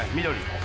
緑。